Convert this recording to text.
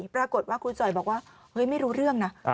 ปรากฏว่าครูจ่อยบอกว่าเฮ้ยไม่รู้เรื่องนะ